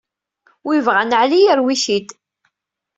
Win yebɣan ɛli yarew-it-id.